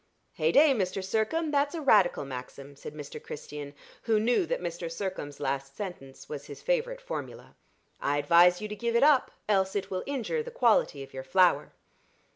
"Hey day, Mr. Sircome! that's a Radical maxim," said Mr. Christian, who knew that Mr. Sircome's last sentence was his favorite formula. "I advise you to give it up, else it will injure the quality of your flour."